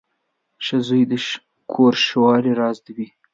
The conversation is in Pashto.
• ښه زوی د کور د خوشحالۍ راز وي.